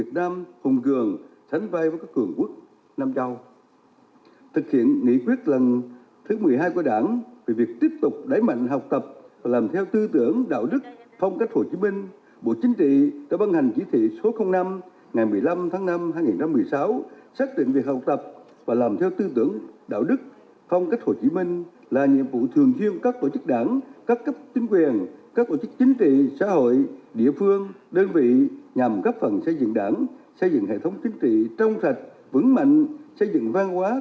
thực hiện nghị quyết lần thứ một mươi hai của đảng về việc tiếp tục đẩy mạnh học tập và làm theo tư tưởng đạo đức phong cách hồ chí minh bộ chính trị đã băng hành chỉ thị số năm ngày một mươi năm tháng năm hai nghìn một mươi sáu xác định việc học tập và làm theo tư tưởng đạo đức phong cách hồ chí minh là nhiệm vụ thường khiêng các tổ chức đảng các cấp chính quyền các tổ chức chính trị xã hội địa phương đơn vị nhằm gấp phần xây dựng đảng xây dựng hệ thống chính trị trong sạch vững mạnh xây dựng văn hóa xây dựng hệ thống chính trị trong sạch vững mạnh xây dự